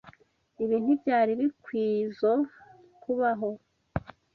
Ibi ntibyari bikwizoe kubaho.